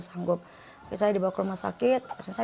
saat mengandung alka susi mengalami